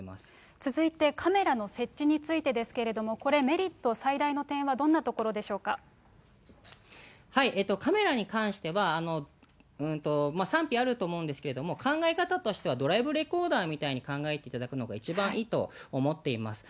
続いてカメラの設置に関してですけど、これ、メリット、最大カメラにおいては、賛否あると思うんですけれども、考え方としてはドライブレコーダーみたいに考えていただくのが一番いいと思っています。